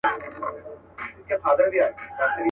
چي یې لاستی زما له ځان څخه جوړیږي.